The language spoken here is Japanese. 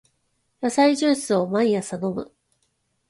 野菜ジュースを毎朝飲む